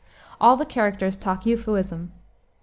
All the characters talk Euphuism.